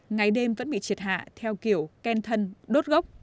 ngày đêm vẫn bị triệt hạ theo kiểu ken thân đốt gốc